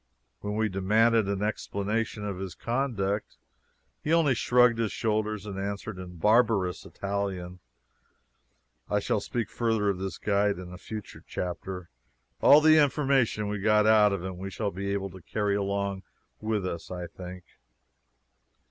When we demanded an explanation of his conduct he only shrugged his shoulders and answered in barbarous Italian. I shall speak further of this guide in a future chapter. All the information we got out of him we shall be able to carry along with us, I think.